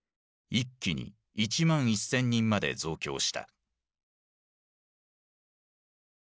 一気に１万１，０００人まで増強した。